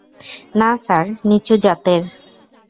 না স্যার, নীচু জাতের।